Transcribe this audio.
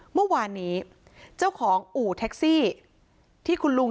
เมื่อวานนี้เจ้าของอู่แท็กซี่ที่คุณลุง